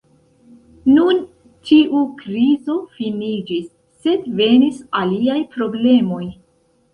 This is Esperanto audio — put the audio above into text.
Nun tiu krizo finiĝis, sed venis aliaj problemoj.